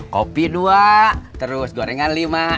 kopi dua terus gorengan lima